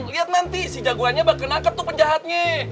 liat nanti si jagoannya bakal nangkep tuh penjahatnya